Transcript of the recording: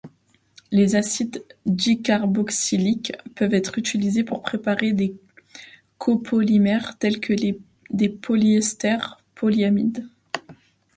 Les acides dicarboxyliques peuvent être utilisés pour préparer des copolymères tels des polyesters polyamides.